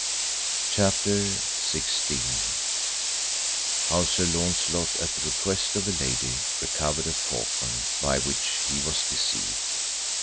CHAPTER XVI. How Sir Launcelot at the request of a lady recovered a falcon, by which he was deceived.